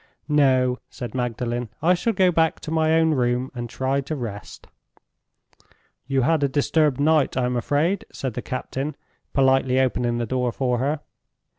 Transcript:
"No," said Magdalen. "I shall go back to my own room, and try to rest." "You had a disturbed night, I am afraid?" said the captain, politely opening the door for her.